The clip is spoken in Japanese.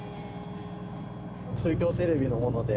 中京テレビの者で。